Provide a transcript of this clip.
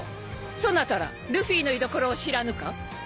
そなたらルフィの居所を知らぬか？